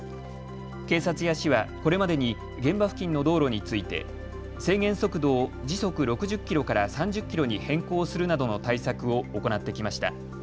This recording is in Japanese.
警察や市はこれまでに現場付近の道路について制限速度を時速６０キロから３０キロに変更するなどの対策を行ってきました。